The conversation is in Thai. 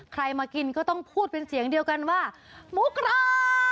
มากินก็ต้องพูดเป็นเสียงเดียวกันว่าหมูกรา